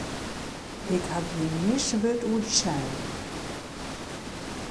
Ik haw gjin mis wurd oer dy sein.